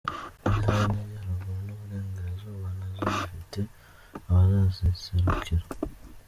Intara y’Amajyaruguru n’Uburengerazuba na zo zifite abazaziserukira.